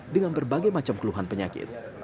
dengan berbagai macam keluhan penyakit